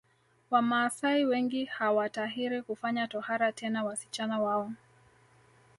Wamaasai wengi hawatahiri kufanya tohara tena wasichana wao